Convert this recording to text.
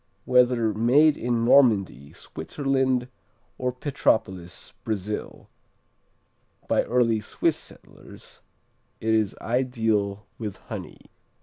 Whether made in Normandy, Switzerland, or Petropolis, Brazil, by early Swiss settlers, it is ideal with honey.